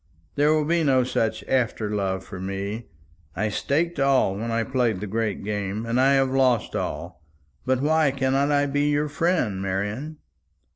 There will be no such after love for me. I staked all when I played the great game; and have lost all. But why cannot I be your friend, Marian?"